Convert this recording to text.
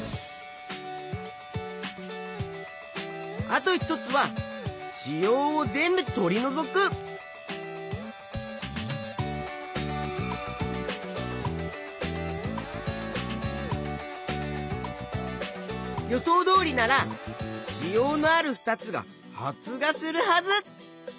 あと一つは子葉を全部とりのぞく。予想どおりなら子葉のある２つが発芽するはず！